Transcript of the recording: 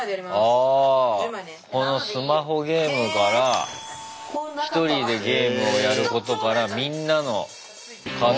ああこのスマホゲームから１人でゲームをやることからみんなのカードゲームになってる。